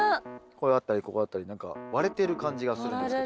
ここだったりここだったり何か割れてる感じがするんですけども。